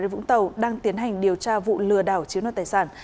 tại vũng tàu đang tiến hành điều tra vụ lừa đảo chiếm đoàn tài sản